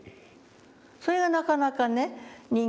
それがなかなかね